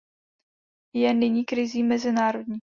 Je nyní krizí mezinárodní.